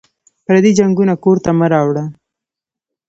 پردي جنګونه کور ته مه راوړه